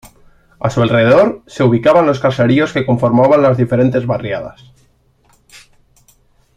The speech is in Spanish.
A su alrededor, se ubicaban los caseríos que conformaban las diferentes barriadas.